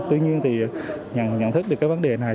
tuy nhiên thì nhận thức được cái vấn đề này